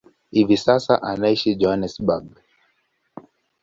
Hivi sasa anaishi Johannesburg.